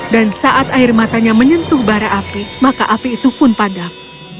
dan saat air matanya menyentuh bara api maka api itu pun padam